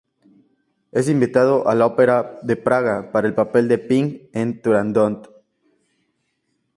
Es invitado a la Ópera de Praga para el papel de Ping en "Turandot".